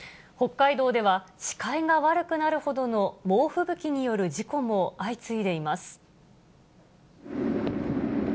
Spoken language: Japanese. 北海道では、視界が悪くなるほどの猛吹雪による事故も相次いでいます。